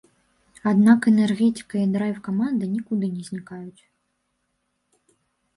Аднак энергетыка і драйв каманды нікуды не знікаюць.